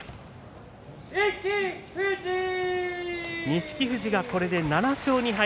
錦富士がこれで７勝２敗